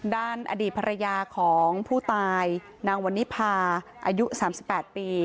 ด้านอดีตภรรยาของผู้ตายนางวันนิพาอายุ๓๘ปี